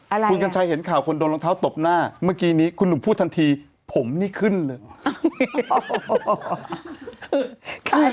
อะไรคุณกัญชัยเห็นข่าวคนโดนรองเท้าตบหน้าเมื่อกี้นี้คุณหนุ่มพูดทันทีผมนี่ขึ้นเลย